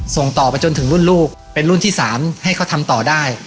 ส่งต่อไปจนถึงรุ่นลูกเป็นรุ่นที่๓ให้เขาทำต่อได้